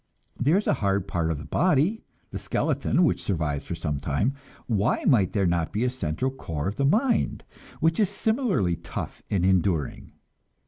There is a hard part of the body, the skeleton, which survives for some time; why might there not be a central core of the mind which is similarly tough and enduring?